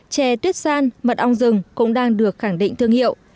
chè tuyết san mật ong rừng cũng đang được khẳng định thương hiệu